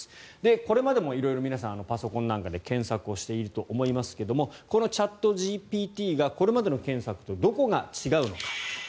これまでも色々皆さん、パソコンなんかで検索をしていると思いますがこのチャットＧＰＴがこれまでの検索とどこが違うのか。